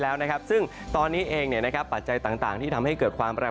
แล้วนะครับซึ่งตอนนี้เองปัจจัยต่างที่ทำให้เกิดความแปร